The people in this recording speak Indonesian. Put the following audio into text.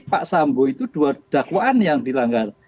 pak sambo itu dua dakwaan yang dilanggar